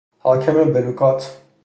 حاکم بلوکات